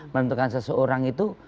menentukan seseorang itu